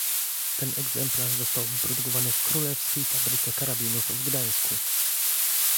Ten egzemplarz został wyprodukowany w Królewskiej Fabryce Karabinów w Gdańsku.